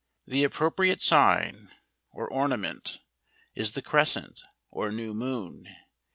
The ap. propriate sign, or ornament, is the crescent, or new moon.